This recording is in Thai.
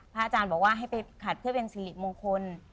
อาจารย์บอกว่าให้ไปขัดเพื่อเป็นสิริมงคล